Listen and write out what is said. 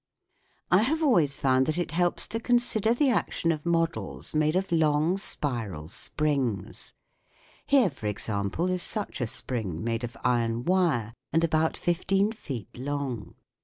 I have always found that it helps to consider the action of models made of long spiral springs. Here, for example, is such a spring made of iron wire and about fifteen feet long.